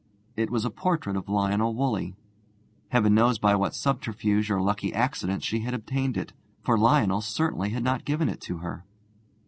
It was a portrait of Lionel Woolley. Heaven knows by what subterfuge or lucky accident she had obtained it, for Lionel certainly had not given it to her.